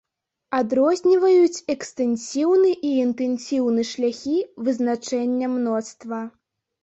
Адрозніваюць экстэнсіўны і інтэнсіўны шляхі вызначэння мноства.